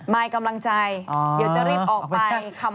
ยกำลังใจเดี๋ยวจะรีบออกไป